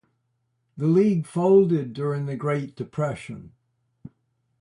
The league folded during the Great Depression.